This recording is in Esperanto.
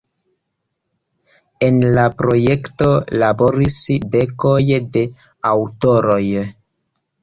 En la projekto laboris dekoj de aŭtoroj.